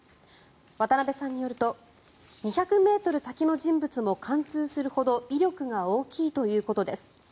渡部さんによると２００ｍ先の人物も貫通するほど威力が大きいということです。